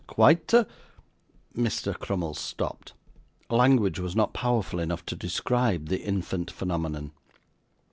'Quite a !' Mr. Crummles stopped: language was not powerful enough to describe the infant phenomenon.